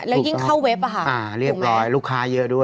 แล้วยิ่งเข้าเว็บอ่ะค่ะอ่าเรียบร้อยลูกค้าเยอะด้วย